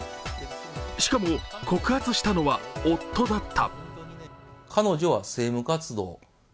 しかも告発したのは夫だった。